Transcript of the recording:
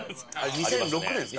２００６年ですか？